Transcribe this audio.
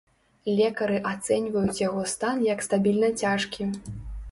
Лекары ацэньваюць яго стан як стабільна цяжкі.